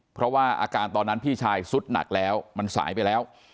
เพราะว่าอาการตอนนั้นพี่ชายสุดหนักแล้วมันสายไปแล้ว